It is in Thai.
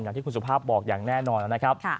อย่างที่คุณสุภาพบอกอย่างแน่นอนนะครับ